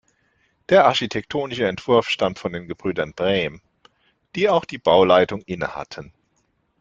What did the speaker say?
Der architektonische Entwurf stammt von den Gebrüdern Bräm, die auch die Bauleitung innehatten.